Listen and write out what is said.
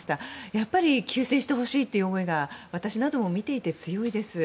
やっぱり休戦してほしいという思いが私なども見ていて強いです。